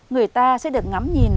người ta sẽ được ngắm nhìn